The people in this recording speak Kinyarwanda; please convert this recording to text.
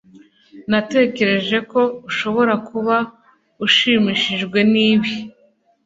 natekereje ko ushobora kuba ushimishijwe nibi